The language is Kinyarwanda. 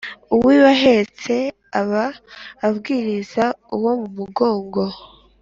Uwiba ahetse aba abwiriza uwo mu mugongo.